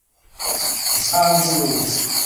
รำคาญกูรู